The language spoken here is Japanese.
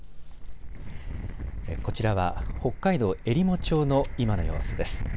こちらは北海道えりも町の今の様子です。